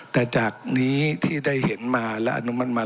แต่จากนี้ที่ได้เห็นมาและอนุมัติมา